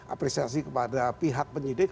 apresiasi kepada pihak penyidik